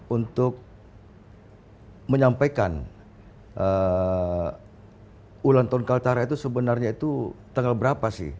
untuk menyampaikan ulang tahun kaltara itu sebenarnya itu tanggal berapa sih